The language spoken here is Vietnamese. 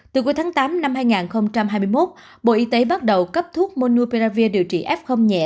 từ cuối tháng tám năm hai nghìn hai mươi một bộ y tế bắt đầu cấp thuốc monuperavir điều trị f nhẹ